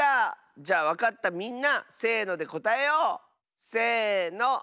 じゃわかったみんなせのでこたえよう！せの。